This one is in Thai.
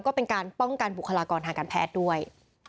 ก็เป็นการป้องกันบุคลากรทางการแพทย์ด้วย